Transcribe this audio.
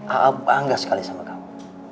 aa bangga sekali sama kamu